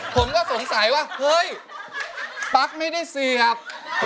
ผมก็สงสัยว่าเฮ้ยปั๊กไม่ได้ซีครับ